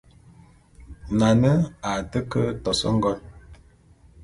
Nane a té ke tos ngon.